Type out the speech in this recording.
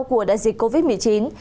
của đại dịch covid một mươi chín